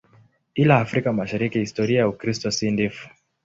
Ila Afrika Mashariki historia ya Ukristo si ndefu.